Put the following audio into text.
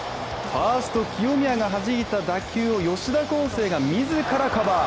ファースト・清宮がはじいた打球を吉田輝星が自らカバー。